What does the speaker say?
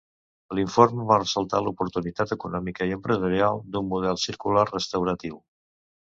L'informe, va ressaltar l'oportunitat econòmica i empresarial d'un model circular restauratiu.